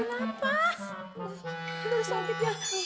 nanti disantik ya